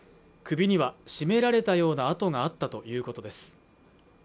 首には絞められたような痕があったということです